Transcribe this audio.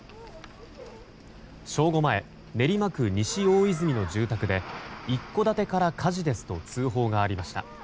正午前、練馬区西大泉の住宅で一戸建てから火事ですと通報がありました。